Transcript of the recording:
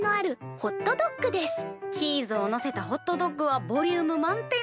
チーズをのせたホットドッグはボリューム満点。